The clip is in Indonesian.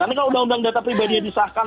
nanti kalau uu data pribadi disahkan